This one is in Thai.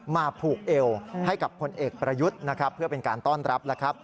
มาผูกเอวให้กับคนเอกประยุทธ์เพื่อเป็นการต้อนรับ